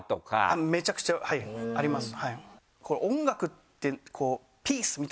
めちゃくちゃはいあります。